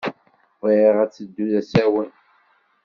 Bɣiɣ ad teddu d asawen.